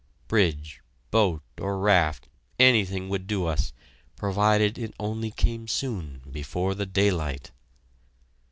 Bridge, boat, or raft, anything would do us, provided only it came soon, before the daylight.